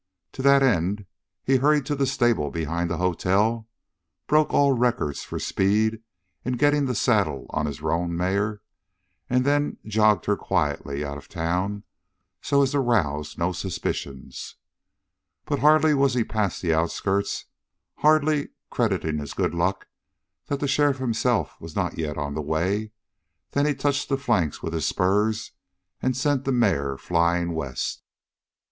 To that end he hurried to the stable behind the hotel, broke all records for speed in getting the saddle on his roan mare, and then jogged her quietly out of town so as to rouse no suspicions. But hardly was he past the outskirts, hardly crediting his good luck that the sheriff himself was not yet on the way, than he touched the flanks with his spurs and sent the mare flying west.